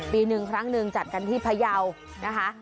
ปี๑ครั้งนึงจัดกันที่พระเยาทร์